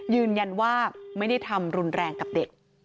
ยืนยันว่าไม่ได้ทำรุนแรงกับเด็ก